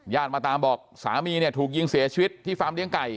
มาตามบอกสามีเนี่ยถูกยิงเสียชีวิตที่ฟาร์มเลี้ยไก่